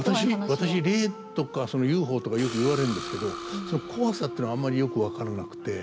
私霊とかＵＦＯとかよく言われるんですけどそのコワさっていうのあんまりよくわからなくて。